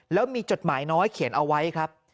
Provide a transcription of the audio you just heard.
แล้วมีจดหมายน้อยเขียนเอาไว้ครับ